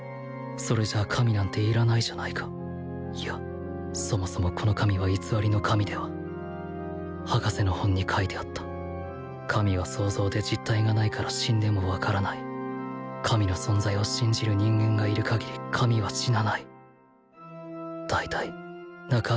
それじゃ神なんていらないじゃないかいやそもそもこの神は偽りの神では博士の本に書いてあった神は想像で実体がないから死んでも分からない神の存在を信じる人間がいる限り神は死なない大体中